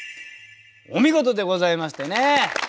お見事でございましたね。